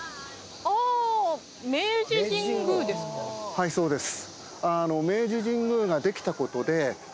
はいそうです。